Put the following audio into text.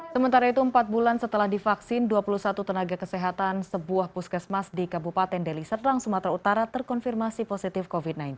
sementara itu empat bulan setelah divaksin dua puluh satu tenaga kesehatan sebuah puskesmas di kabupaten deli serdang sumatera utara terkonfirmasi positif covid sembilan belas